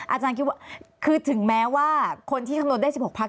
อาจารย์คิดว่าคือถึงแม้ว่าคนที่คำนวณได้๑๖พัก